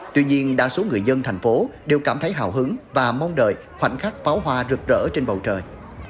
tuy nhiên đa số người dân thành phố đều cảm thấy hào hứng và mong đợi khoảnh khắc pháo hoa rực rỡ trên bầu trời